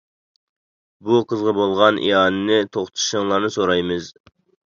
بۇ قىزغا بولغان ئىئانىنى توختىتىشىڭلارنى سورايمىز.